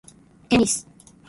テニス